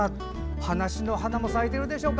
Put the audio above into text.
話の花も咲いているでしょうか。